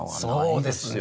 そうですね。